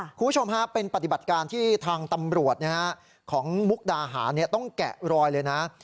คุณผู้ชมฮะเป็นปฏิบัติการที่ทางตำรวจของมุกดาหารต้องแกะรอยเลยนะ